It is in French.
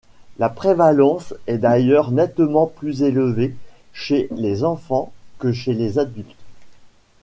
La prévalence est d’ailleurs nettement plus élevée chez les enfants que chez les adultes.